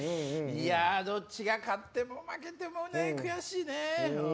どっちが勝っても負けてもね悔しいね。